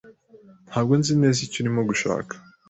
Ntabwo nzi neza icyo urimo gushaka.